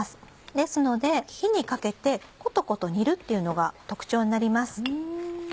ですので火にかけてコトコト煮るっていうのが特徴になります。